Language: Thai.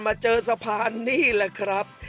มาเจอสะพานนี่แหละครับ